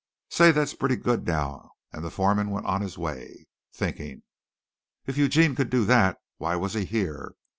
"Say, that's pretty good now," and the foreman went on his way, thinking. If Eugene could do that, why was he here?